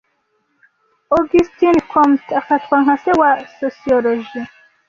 Auguste Comte afatwa nka se wa sociology.